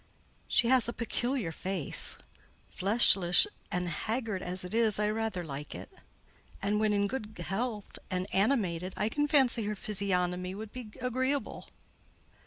"She has a peculiar face; fleshless and haggard as it is, I rather like it; and when in good health and animated, I can fancy her physiognomy would be agreeable."